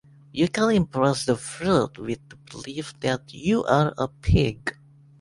You can impress the fruit with the belief that you are a pig.